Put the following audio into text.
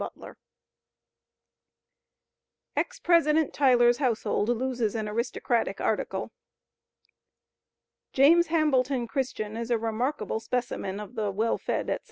EX PRESIDENT TYLER'S HOUSEHOLD LOSES AN ARISTOCRATIC "ARTICLE." James Hambleton Christian is a remarkable specimen of the "well fed, &c."